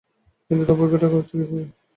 কিন্তু তারা পরীক্ষাটা করছে কীভাবে?